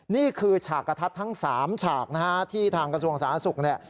นี่คือฉากกระทัดทั้ง๓ฉากที่ทางกระทัดส่วนสาธารณสุข